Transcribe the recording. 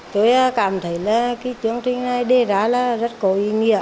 tôi cảm thấy chương trình này đề ra rất có ý nghĩa